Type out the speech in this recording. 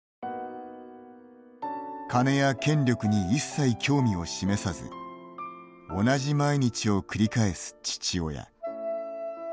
金や権力に一切興味を示さず同じ毎日を繰り返す父親。